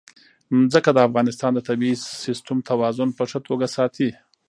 ځمکه د افغانستان د طبعي سیسټم توازن په ښه توګه ساتي.